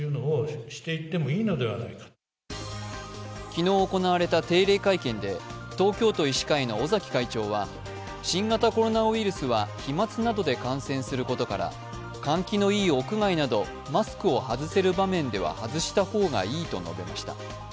昨日行われた定例会見で東京都医師会の尾崎会長は新型コロナウイルスは飛まつなどで感染することから換気のいい屋外などマスクを外せる場面では外した方がいいと述べました。